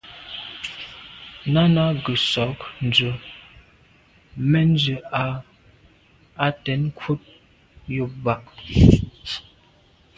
Náná gə̀ sɔ̌k ndzwə́ mɛ̀n zə̄ á tɛ̌n krút jùp bà’.